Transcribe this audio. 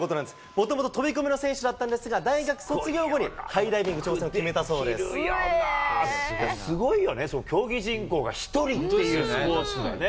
もともと飛び込みの選手だったんですが、大学卒業後にハイダイビすごいよね、競技人口が１人っていうスポーツはね。